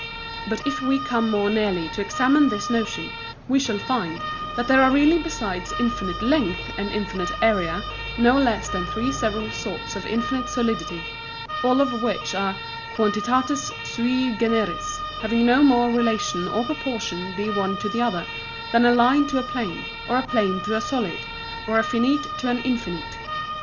But if we come more nearly to examine this Notion, we shall find, that there are really besides infinite Length and infinite Area, no less than three several sorts of infinite Solidity; all of which are Quantitates sui generis, having no more relation or proportion the one to the other, than a Line to a Plane, or a Plane to a Solid, or a Finite to an Infinite.